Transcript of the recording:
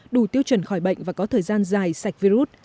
đủ tiêu chuẩn khỏi bệnh và có thời gian dài sạch virus